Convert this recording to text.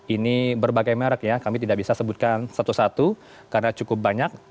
ini berbagai merek ya kami tidak bisa sebutkan satu satu karena cukup banyak